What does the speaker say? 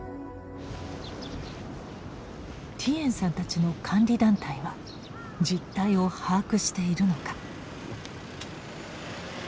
ティエンさんたちの監理団体は実態を把握しているのか。